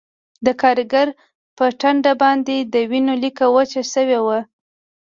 د کارګر په ټنډه باندې د وینو لیکه وچه شوې وه